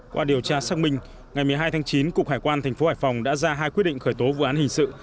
qua điều tra xác minh ngày một mươi hai tháng chín cục hải quan tp hải phòng đã ra hai quyết định khởi tố vụ án hình sự